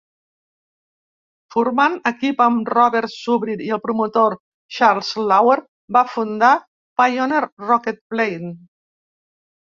Formant equip amb Robert Zubrin i el promotor Charles Lauer, va fundar Pioneer Rocketplane.